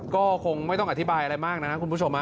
ก็คงไม่ต้องอธิบายอะไรมากนะครับคุณผู้ชม